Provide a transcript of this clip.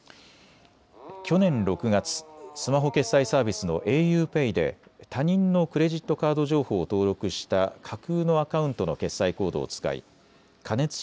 去年６月、スマホ決済サービスのａｕＰＡＹで他人のクレジットカード情報を登録した架空のアカウントの決済コードを使い加熱式